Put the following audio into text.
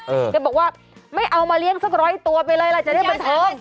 แกบอกว่าไม่เอามาเลี้ยงสักร้อยตัวไปเลยล่ะจะได้บันเทิง